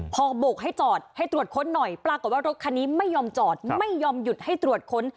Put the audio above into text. พอโบกให้จอดให้ตรวจค้นหน่อยปรากฏว่ารถคันนี้ไม่ยอมจอดไม่ยอมหยุดให้ตรวจค้น